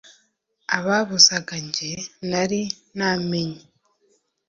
ababuzaga ge nari namenye